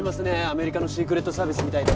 アメリカのシークレットサービスみたいで。